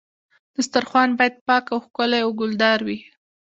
دسترخوان باید پاک او ښکلی او ګلدار وي.